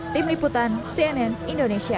tim liputan cnn indonesia